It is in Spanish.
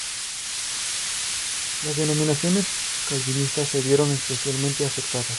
Las denominaciones calvinistas se vieron especialmente afectadas.